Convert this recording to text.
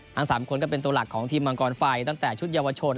ทั้ง๓คนก็เป็นตัวหลักของทีมมังกรไฟตั้งแต่ชุดเยาวชน